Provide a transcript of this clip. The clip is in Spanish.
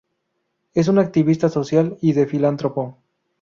Es un activista social y de filántropo.